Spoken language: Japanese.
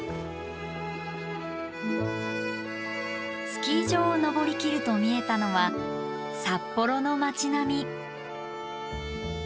スキー場を登りきると見えたのは札幌の街並み。